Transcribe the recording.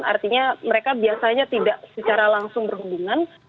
artinya mereka biasanya tidak secara langsung berhubungan